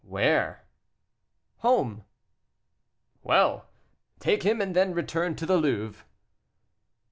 "Where?" "Home." "Well! take him, and then return to the Louvre."